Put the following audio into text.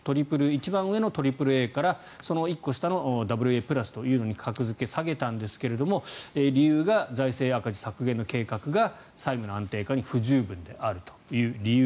一番上のＡＡＡからその１個下のＡＡ＋に格付けを下げたんですが理由が財政赤字削減の計画が債務の安定化に不十分であるという理由。